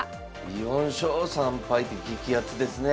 ４勝３敗って激アツですねえ。